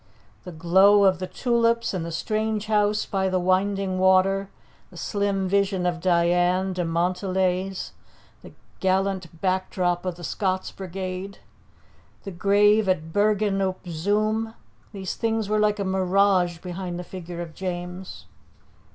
The glow of the tulips and the strange house by the winding water, the slim vision of Diane de Montdelys, the gallant background of the Scots Brigade, the grave at Bergen op Zoom these things were like a mirage behind the figure of James.